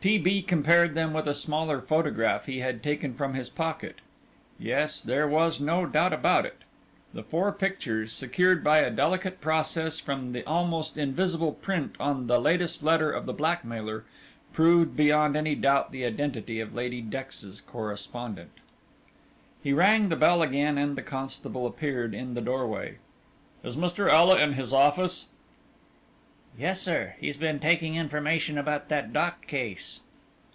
T. B. compared them with a smaller photograph he had taken from his pocket. Yes, there was no doubt about it. The four pictures, secured by a delicate process from the almost invisible print on the latest letter of the blackmailer, proved beyond any doubt the identity of Lady Dex's correspondent. He rang the bell again and the constable appeared in the doorway. "Is Mr. Ela in his office?" "Yes, sir. He's been taking information about that Dock case."